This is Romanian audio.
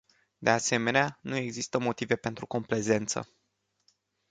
De asemenea, nu există motive pentru complezență.